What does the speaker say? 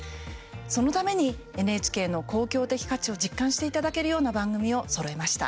そのためにＮＨＫの公共的価値を実感していただけるような番組をそろえました。